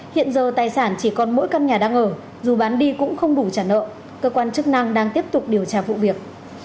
hiện giờ tài sản chỉ còn mỗi căn nhà đang ở dù bán đi cũng không đủ trả nợ cơ quan chức năng đang tiếp tục điều tra vụ việc